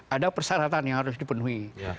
ada persyaratan yang harus dipenuhi